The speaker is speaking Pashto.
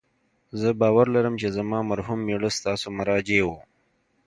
زه باور لرم چې زما مرحوم میړه ستاسو مراجع و